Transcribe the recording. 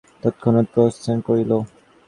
বীরবর যে আজ্ঞা মহারাজ বলিয়া তৎক্ষণাৎ প্রস্থান করিল।